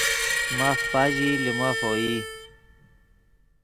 ماف پاژیئی لے مف اوئی